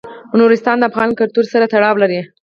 نورستان د افغان کلتور سره تړاو لري.